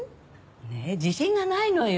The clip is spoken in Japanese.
自信がないのよ。